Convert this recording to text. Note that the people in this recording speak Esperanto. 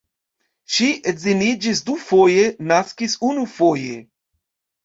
Ŝi edziniĝis dufoje, naskis unufoje.